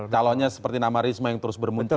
calonnya seperti nama risma yang terus bermuncul